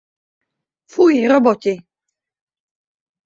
Fuj, Roboti!